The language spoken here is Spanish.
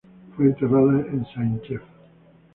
Fue enterrada en Saint-Chef.